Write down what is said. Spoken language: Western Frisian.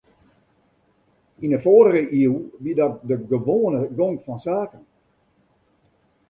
Yn de foarrige iuw wie dat de gewoane gong fan saken.